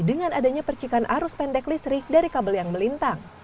dengan adanya percikan arus pendek listrik dari kabel yang melintang